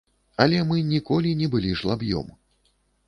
Але мы ніколі не былі жлаб'ём.